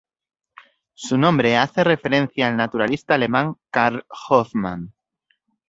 Su nombre hace referencia al naturalista alemán Karl Hoffman.